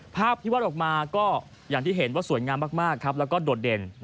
ภาพที่วาดออกมาก็สวยงามมากและดดเด่น